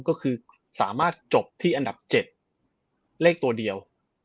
ก็คือสามารถจบที่อันดับ๗เลขตัวเดียว